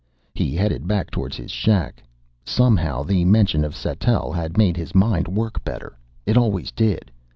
He headed back toward his shack. Somehow, the mention of Sattell had made his mind work better. It always did.